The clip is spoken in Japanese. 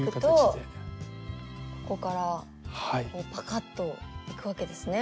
ここからパカッといくわけですね。